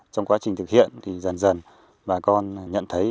trong quá trình thực hiện thì dần dần bà con nhận thấy